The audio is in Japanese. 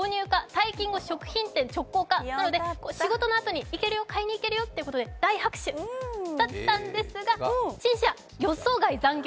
退勤後食品店直行可、なので仕事のあとに買いに行けるよってことで大拍手だったんですが陳謝！、予想外残業。